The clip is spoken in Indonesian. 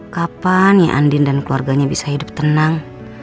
kapan ya andin dan keluarganya bisa hidup tenang